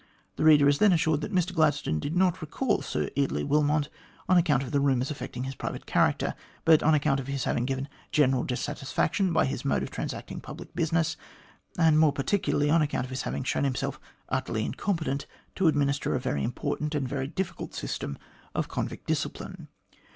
The reader is then assured that Mr Gladstone did not recall Sir Eardley Wilmot on account of the rumours affecting his private character, but on account of his having given general dissatisfaction by his mode of transacting public business, and more particularly on account of his having shown himself utterly incompetent to administer a very important and very difficult system of convict discipline.